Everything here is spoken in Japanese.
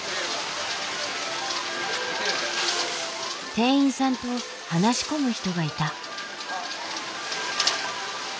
店員さんと話し込む人がいた。